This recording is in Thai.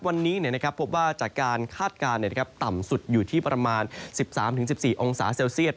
วันนี้พบว่าจากการคาดการณ์ต่ำสุดอยู่ที่ประมาณ๑๓๑๔องศาเซลเซียต